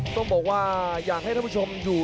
ต้องบอกว่าอยากให้ท่านผู้ชมอยู่